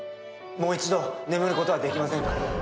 もう一度眠ることはできませんか？